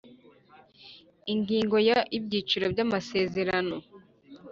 Ingingo ya Ibyiciro by amasezerano